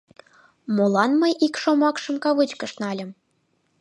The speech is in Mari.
Молан мый ик шомакшым кавычкыш нальым?